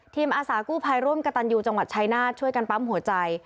อาสากู้ภัยร่วมกระตันยูจังหวัดชายนาฏช่วยกันปั๊มหัวใจ